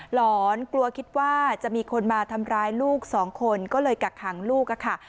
หอนกลัวคิดว่าจะมีคนมาทำร้ายลูกสองคนก็เลยกักขังลูกค่ะ